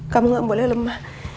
kamu gak boleh lemah